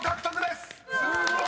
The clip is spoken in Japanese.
すごーい！